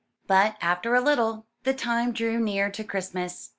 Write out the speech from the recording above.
But, after a little, the time drew near to Christmas.